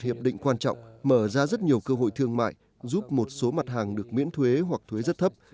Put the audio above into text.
hiệp định quan trọng mở ra rất nhiều cơ hội thương mại giúp một số mặt hàng được miễn thuế hoặc thuế rất thấp